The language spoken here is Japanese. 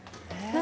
何？